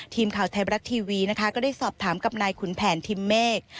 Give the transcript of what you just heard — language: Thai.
ทีมข่าวไทยบรัฐทีวีนะคะก็ได้สอบถามกับนายขุนแผนทิมเมฆ